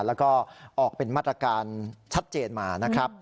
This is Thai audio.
แล้วก็ออกเป็นมาตรการชัดเจนมา